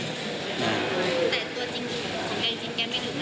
แต่ตัวจริงจริงแกไม่ดื่มเหล้าครับ